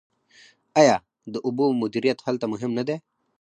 آیا د اوبو مدیریت هلته مهم نه دی؟